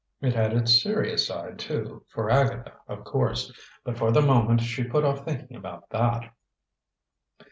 It had its serious side, too, for Agatha, of course, but for the moment she put off thinking about that.